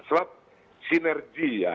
sebab sinergi ya